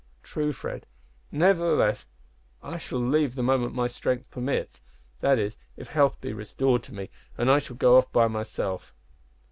"True, Fred. Nevertheless I shall leave the moment my strength permits that is, if health be restored to me and I shall go off by myself."